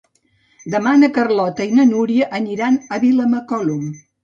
Demà na Carlota i na Núria aniran a Vilamacolum.